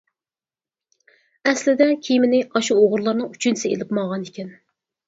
ئەسلىدە كىيىمنى ئاشۇ ئوغرىلارنىڭ ئۈچىنچىسى ئېلىپ ماڭغان ئىكەن.